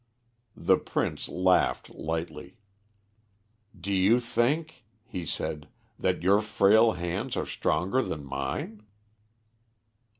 The Prince laughed lightly. "Do you think," he said, "that your frail hands are stronger than mine?"